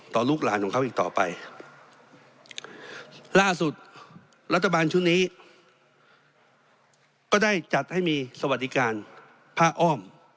ลูกหลานของเขาอีกต่อไปล่าสุดรัฐบาลชุดนี้ก็ได้จัดให้มีสวัสดิการผ้าอ้อม